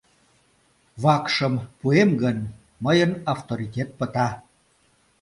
— Вакшым пуэм гын, мыйын авторитет пыта.